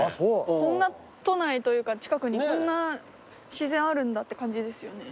こんな都内というか近くにこんな自然あるんだって感じですよね。